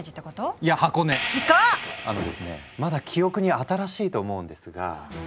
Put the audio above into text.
あのですねまだ記憶に新しいと思うんですが。